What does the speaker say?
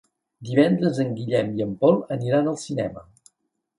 Divendres en Guillem i en Pol aniran al cinema.